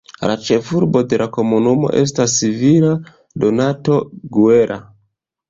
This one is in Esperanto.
La ĉefurbo de la komunumo estas Villa Donato Guerra.